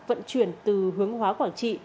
vận chuyển từ hướng hóa quảng trị